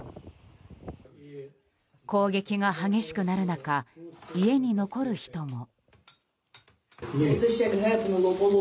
攻撃が激しくなる中家に残る人も。